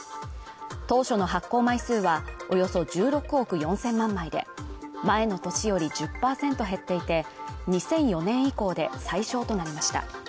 当初の発行枚数はおよそ１６億４０００万枚で前の年より１０％減っていて２００４年以降で最少となりました